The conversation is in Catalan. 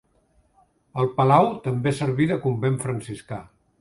El palau també serví de convent franciscà.